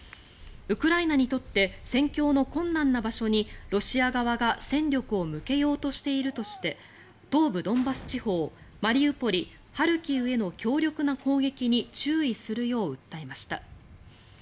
ウクライナにとって戦況の困難な場所にロシア側が戦力を向けようとしているとして東部ドンバス地方マリウポリ、ハルキウへの強力な攻撃に注意するよう訴えました。